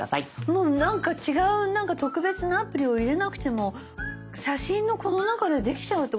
もうなんか違う特別なアプリを入れなくても写真のこの中でできちゃうってことですか？